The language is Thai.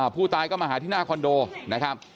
ผู้ตายก็มาหาที่หน้าคอนโดนะครับ